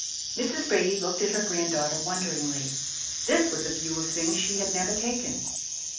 Mrs. Brady looked at her granddaughter wonderingly. This was a view of things she had never taken.